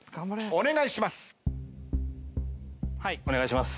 お願いします。